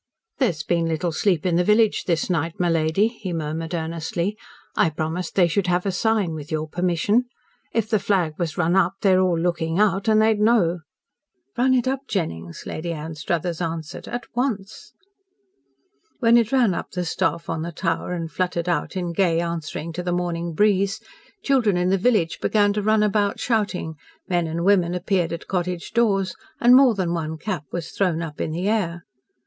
"There's been little sleep in the village this night, my lady," he murmured earnestly. "I promised they should have a sign, with your permission. If the flag was run up they're all looking out, and they'd know." "Run it up, Jennings," Lady Anstruthers answered, "at once." When it ran up the staff on the tower and fluttered out in gay answering to the morning breeze, children in the village began to run about shouting, men and women appeared at cottage doors, and more than one cap was thrown up in the air.